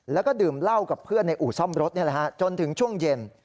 แล้วก็ดื่มเหล้ากับเพื่อนในอู่ซ่อมรถนี่แหละฮะจนถึงช่วงเย็น